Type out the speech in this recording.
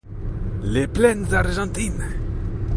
Les plaines Argentines